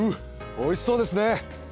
おいしそうですね！